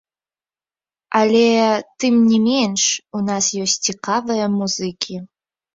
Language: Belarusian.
Але, тым не менш, у нас ёсць цікавыя музыкі.